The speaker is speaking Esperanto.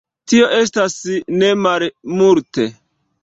Tio estas nemalmulte.